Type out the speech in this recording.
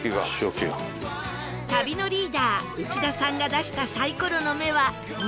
旅のリーダー内田さんが出したサイコロの目は「２」